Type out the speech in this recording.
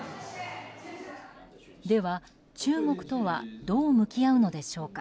では、中国とはどう向き合うのでしょうか。